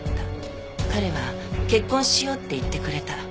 彼は結婚しようって言ってくれた。